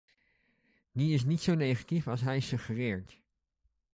Die is niet zo negatief als hij suggereert.